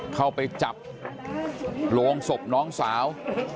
เข้าไปจับโรงศพน้องสาว